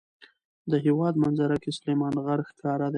د هېواد منظره کې سلیمان غر ښکاره دی.